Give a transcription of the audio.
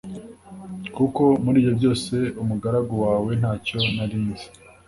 kuko muri ibyo byose umugaragu wawe nta cyo nari nzi